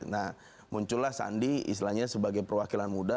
nah muncullah sandi istilahnya sebagai perwakilan muda